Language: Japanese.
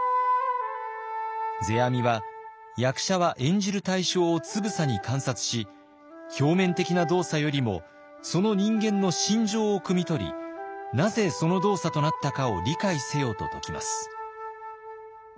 世阿弥は役者は演じる対象をつぶさに観察し表面的な動作よりもその人間の心情をくみ取りなぜその動作となったかを理解せよと説きます。